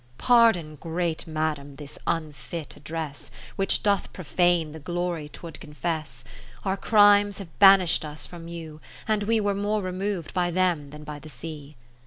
20 Pardon, Great Madam, this unfit address, Which does profane the glory 'twould confess. Our crimes have banish'd us from you, and we Were more remov'd by them than by the Sea.